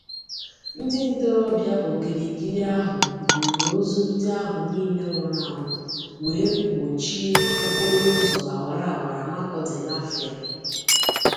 ndịntorobịa okirikiri ahụ buuru ozu ndị ahụ niile nwụrụ anwụ wee gbochie okporoụzọ awaraawara Makurdi-Lafia